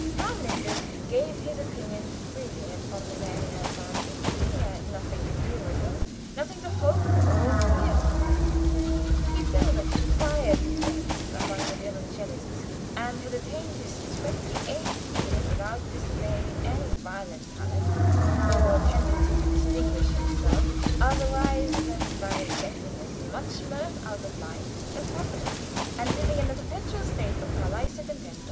Karl Linders gave his opinion freely upon the men in authority. He had nothing to do with them, nothing to hope or fear from them; he filled a quiet place among the violoncellists, and had attained his twenty eighth year without displaying any violent talent or tendency to distinguish himself, otherwise than by getting as much mirth out of life as possible and living in a perpetual state of "carlesse contente."